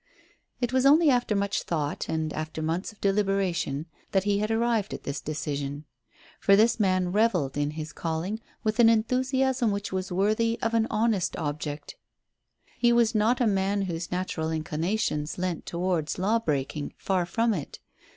It was only after much thought and after months of deliberation that he had arrived at this decision. For this man revelled in his calling with an enthusiasm which was worthy of an honest object. He was not a man whose natural inclinations leant towards law breaking; far from it.